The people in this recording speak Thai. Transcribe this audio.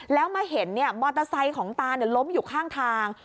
แล้วมาเห็นมอเตอร์ไซค์ของตาล้มอยู่ข้างทาง